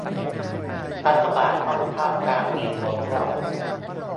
รัฐบาลต้องสร้างการมีส่วนร่วม